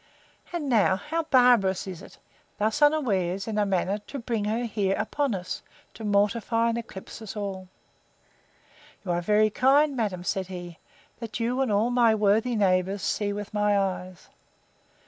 And now, how barbarous is it, thus unawares, in a manner, to bring her here upon us, to mortify and eclipse us all?—You are very kind, madam, said he, that you and all my worthy neighbours see with my eyes.